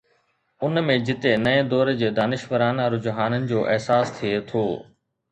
ان ۾ جتي نئين دور جي دانشورانه رجحانن جو احساس ٿئي ٿو.